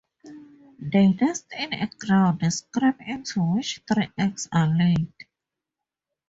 They nest in a ground scrape into which three eggs are laid.